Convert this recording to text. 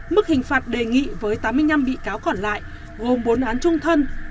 mức hình phạt đề nghị với tám mươi năm bị cáo còn lại gồm bốn án trung thân